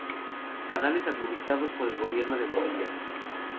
Canales administrados por el gobierno de Bolivia.